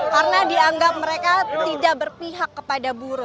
karena dianggap mereka tidak berpihak kepada buruh